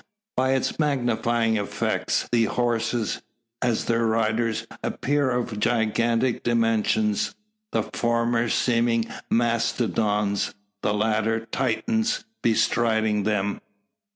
By its magnifying effect the horses, as their riders, appear of gigantic dimensions; the former seeming Mastodons, the latter Titans bestriding them!